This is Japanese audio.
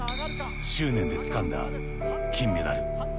執念でつかんだ金メダル。